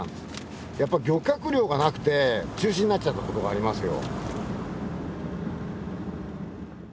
やっぱり漁獲量がなくて中止になっちゃったことがありますよ。